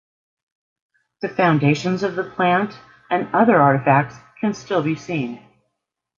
The foundations of the plant and other artifacts can still be seen.